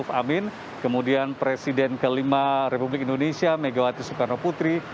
seperti wakil presiden ma'ruf amin kemudian presiden ke lima republik indonesia megawati sukarno putri